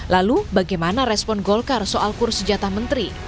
lalu bagaimana respon golkar soal kursi jatah menteri